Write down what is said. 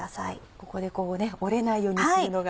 ここで折れないようにするのが。